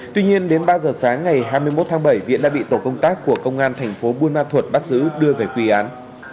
tuy nhiên đến ba h sáng ngày hai mươi một tháng bảy viễn đã bị tổ công tác của công an thành phố bùi ma thuột bắt giữ đưa về quý án